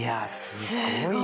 すごーい。